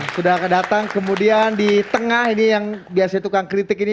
sudah datang kemudian di tengah ini yang biasanya tukang kritik ini